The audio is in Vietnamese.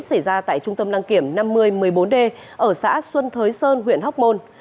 xảy ra tại trung tâm đăng kiểm năm mươi một mươi bốn d ở xã xuân thới sơn huyện hóc môn